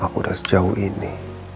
aku udah sejauh ini